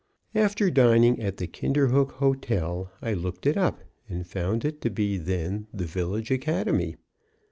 After dining at the Kinderhook Hotel, I looked it up, and found it to be then the village academy.